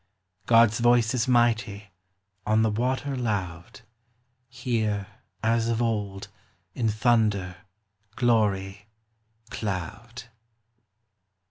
God's voice is mighty, on the water loud, Here, as of old, in thunder, glory, cloud!